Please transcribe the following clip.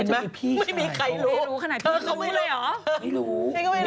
ไม่มีใครรู้